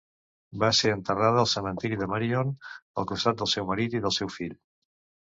Va ser enterrada al cementiri de Marion, al costat del seu marit i del seu fill.